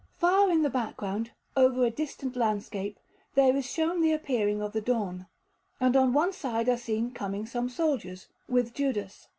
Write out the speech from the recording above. Far in the background, over a distant landscape, there is shown the appearing of the dawn; and on one side are seen coming some soldiers, with Judas.